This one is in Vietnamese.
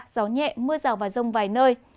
gió nhẹ mưa rào và rông vài nơi